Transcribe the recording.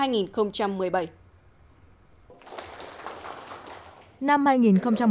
năm hai nghìn một mươi sáu tổng sản phẩm trong tỉnh gdp tăng tám năm